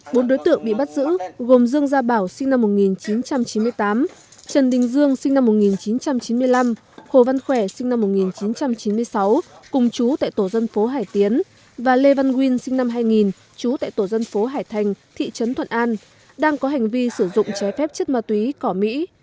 bốn đối tượng bị bắt giữ gồm dương gia bảo sinh năm một nghìn chín trăm chín mươi tám trần đình dương sinh năm một nghìn chín trăm chín mươi năm hồ văn khỏe sinh năm một nghìn chín trăm chín mươi sáu cùng chú tại tổ dân phố hải tiến và lê văn nguyên sinh năm hai nghìn trú tại tổ dân phố hải thành thị trấn thuận an đang có hành vi sử dụng trái phép chất ma túy cỏ mỹ